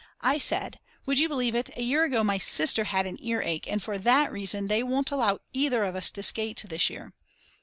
I said: Would you believe it, a year ago my sister had an earache, and for that reason they won't allow either of us to skate this year.